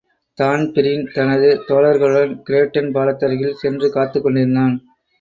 Dan Breen தனது தோழர்களுடன் கிரேட்டன் பாலத்தருகில் சென்று காத்துக் கொண்டிருந்தான்.